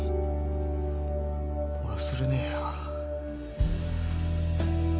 忘れねえよ。